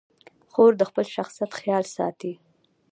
خور د خپل شخصیت خیال ساتي.